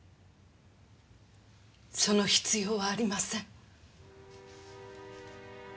その必要はありません。